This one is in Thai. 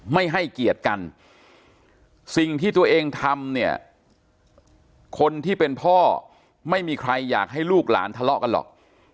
ไม่ให้เกียรติกันสิ่งที่ตัวเองทำเนี่ยคนที่เป็นพ่อไม่มีใครอยากให้ลูกหลานทะเลาะกันหรอก